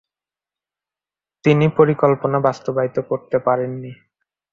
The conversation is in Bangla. তিনি পরিকল্পনা বাস্তবায়িত করতে পারেননি।